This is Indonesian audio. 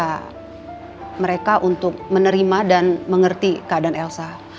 mereka mengaksa mereka untuk menerima dan mengerti keadaan elsa